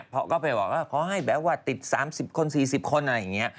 พ่อก็ไปบอกว่าแบบว่าติด๓๐คน๔๐คนอะไรอย่างนี้